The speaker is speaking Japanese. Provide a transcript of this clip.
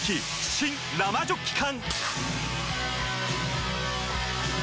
新・生ジョッキ缶！